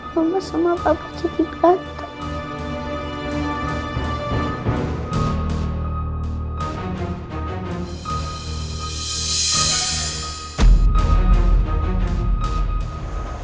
mama sama papa jadi banteng